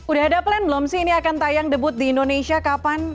udah ada plan belum sih ini akan tayang debut di indonesia kapan